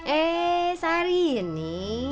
eh sari ini